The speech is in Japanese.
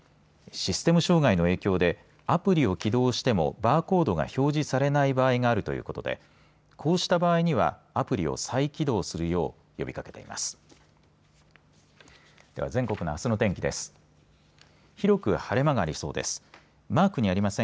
システム障害の影響でアプリを起動してもバーコードが表示されない場合があるということでこうした場合にはアプリを再起動するよう呼びかけています。